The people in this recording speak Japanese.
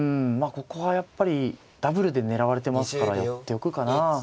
ここはやっぱりダブルで狙われてますから寄っておくかな。